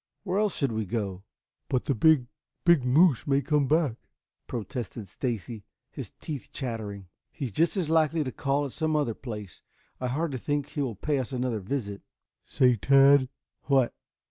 Where else should we go?" "But the big, big moose may come back," protested Stacy, his teeth chattering. "He is just as likely to call at some other place. I hardly think he will pay us another visit." "Say, Tad." "What?"